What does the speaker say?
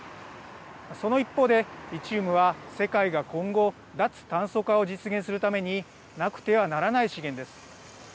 その一方で、リチウムは世界が今後脱炭素化を実現するためになくてはならない資源です。